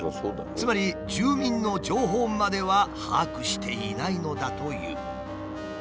つまり住民の情報までは把握していないのだという。